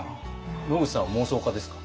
野口さんは妄想家ですか？